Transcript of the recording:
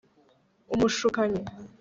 umushukanyi